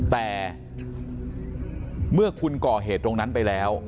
แต่เมื่อคุณก่อเหตุตรงนั้นไปแล้ว